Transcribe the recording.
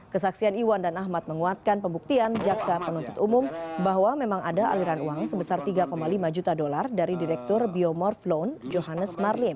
kesaksian iwan dan ahmad menguatkan pembuktian jaksa penuntut umum bahwa memang ada aliran uang sebesar tiga lima juta dolar dari direktur biomorph loan johannes marlim